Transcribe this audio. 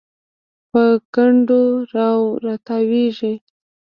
په کنډو راتاویږي